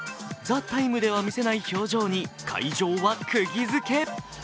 「ＴＨＥＴＩＭＥ，」では見せない表情に会場はくぎ付け。